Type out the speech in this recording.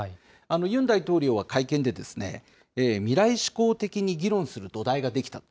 ユン大統領は会見で、未来志向的に議論する土台が出来たと。